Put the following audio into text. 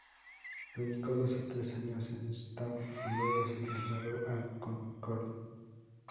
Predicó dos o tres años en Stow y luego se trasladó a Concord.